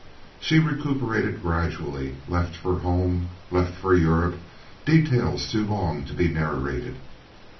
She recuperated gradually; left for home; left for Europe; details too long to be narrated.